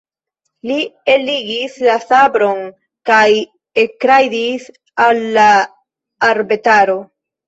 Li eligis la sabron kaj ekrajdis al la arbetaro.